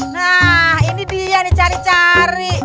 nah ini dia nih cari cari